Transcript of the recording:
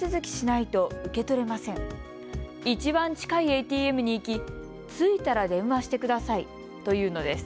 いちばん近いＡＴＭに行き着いたら電話してくださいと言うのです。